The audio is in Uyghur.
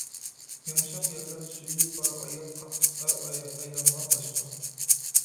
يۇمشاق يەرلەر سۈيى بار ئايال قاتتىق ئەرلەر ئايلانغان تاشقا.